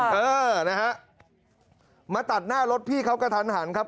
เออนะฮะมาตัดหน้ารถพี่เขากระทันหันครับ